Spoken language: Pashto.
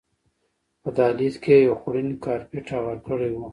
په دهلیز کې یې یو خوړین کارپېټ هوار کړی و.